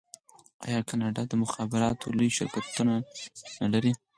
آیا کاناډا د مخابراتو لوی شرکتونه نلري؟